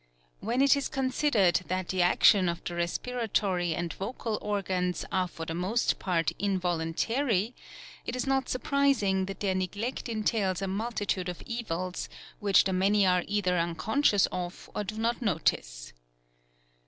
When it is considered that the action of the respiratory and vocal organs are for the most part involuntary, it is not surprising that their neglect entails a multitude of evils, which the many are either unconscious of or do not notice.